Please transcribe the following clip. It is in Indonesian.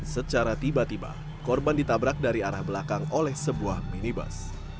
secara tiba tiba korban ditabrak dari arah belakang oleh sebuah minibus